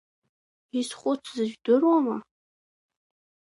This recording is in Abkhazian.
Исхәыцыз жәдыруама?